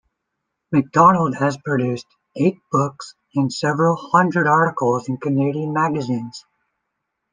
MacDonald has produced eight books and several hundred articles in Canadian magazines.